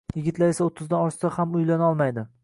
Yigitlar esa oʻttizdan oshsa ham uylanolmadi.